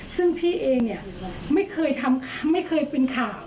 ซึ่งพี่เองไม่เคยเป็นข่าว